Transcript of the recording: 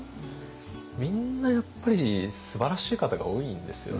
みんなやっぱりすばらしい方が多いんですよね。